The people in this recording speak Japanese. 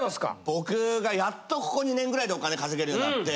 僕がやっとここ２年ぐらいでお金稼げるようになって。